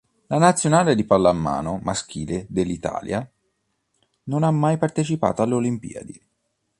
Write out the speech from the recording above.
La nazionale di pallamano maschile dell'Italia non ha mai partecipato alle Olimpiadi.